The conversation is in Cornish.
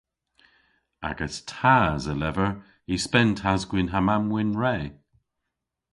Agas tas a lever y spen tas-gwynn ha mamm-wynn re.